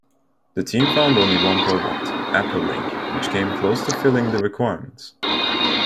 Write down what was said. The team found only one product, AppleLink, which came close to filling the requirements.